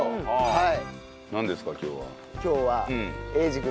はい。